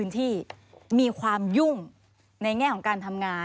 ที่มีความยุ่งในแง่ของการทำงาน